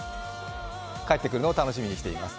帰って来るのを楽しみにしています。